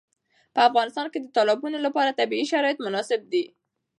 په افغانستان کې د تالابونو لپاره طبیعي شرایط مناسب دي.